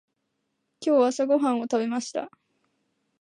今日朝ごはんを食べました。